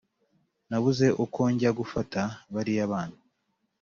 Nabuze uko njya gufata bariya bana